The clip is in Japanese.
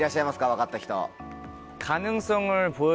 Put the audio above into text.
分かった人。